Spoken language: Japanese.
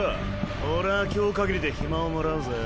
俺は今日かぎりで暇をもらうぜ。